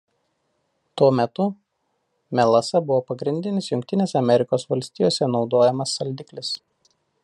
Tuo metu melasa buvo pagrindinis Jungtinėse Amerikos Valstijose naudojamas saldiklis.